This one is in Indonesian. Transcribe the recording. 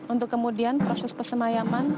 untuk kemudian proses pesemayaman